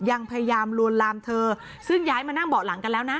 ยังพยายามลวนลามเธอซึ่งย้ายมานั่งเบาะหลังกันแล้วนะ